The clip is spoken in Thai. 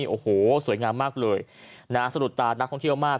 โอ้โหสวยงามมากเลยนะสะดุดตานักท่องเที่ยวมาก